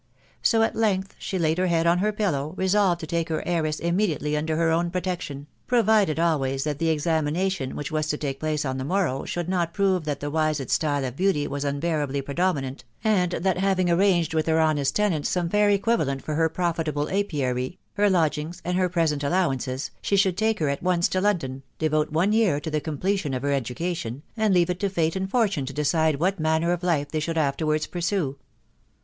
So at length she laid her head on her pillow, resolved to take her heiress immediately under her own protection .... (provided always that the examination which was to take place on the morrow should not prove that the* Wisett style of beauty was unbearably predominant,) and that having arranged with her honest tenant some fair equivalent for her profitable apiary, her lodgings, and her present allowances, she should take her at once to London, devote one year to the completion of her edu cation, and leave it to fate and fortune to decide what manner of life they should afterwards pursue.